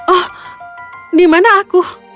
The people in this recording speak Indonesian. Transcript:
oh di mana aku